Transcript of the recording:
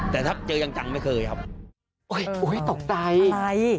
แต่ถ้าเจอยังจังไม่เคยครับโอ้ยโอ้ยตกใจใช่